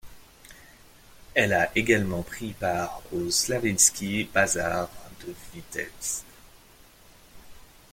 Elle a également pris part au Slavianski bazar de Vitebsk.